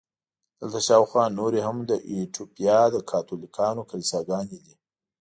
دلته شاوخوا نورې هم د ایټوپیا د کاتولیکانو کلیساګانې دي.